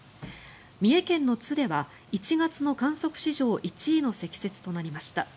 三重県の津では１月の観測史上１位の積雪となりました。